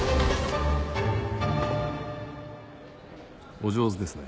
お上手ですね。